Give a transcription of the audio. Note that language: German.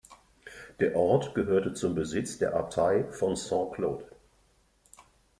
Der Ort gehörte zum Besitz der Abtei von Saint-Claude.